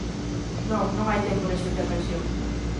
Non, non hai tempo nesta intervención.